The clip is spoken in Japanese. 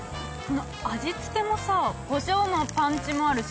味つけもこしょうのパンチもあるし。